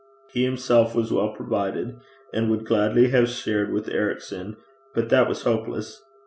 He himself was well provided, and would gladly have shared with Ericson, but that was hopeless.